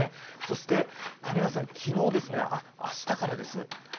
そして、谷原さんあしたからです。